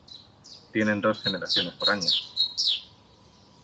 Tienen dos generaciones por año.